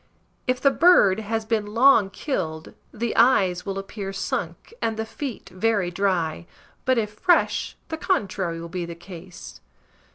If the bird has been long killed, the eyes will appear sunk and the feet very dry; but, if fresh, the contrary will be the case.